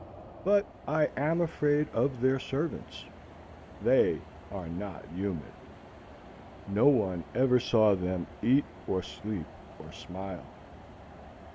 But I am afraid of their servants. They are not human. No one ever saw them eat or sleep or smile.